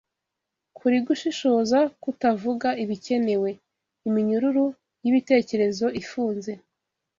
Kurigushishoza, kutavuga, ibikenewe! Iminyururu yibitekerezo ifunze